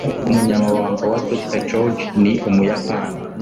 umunyamabanga wa dr. george ni umuyapani